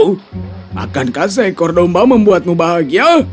oh makankah seekor domba membuatmu bahagia